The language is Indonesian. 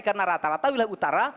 karena rata rata wilayah utara